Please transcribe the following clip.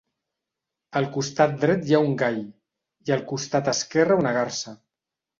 Al costat dret hi ha un gall i al costat esquerre una garsa.